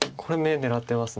狙ってますか。